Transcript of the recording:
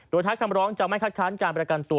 โดยทักคำร้องจะไม่คัดค้านการประกันตัว